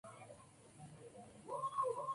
Este videojuego fue lanzado exclusivamente en Japón.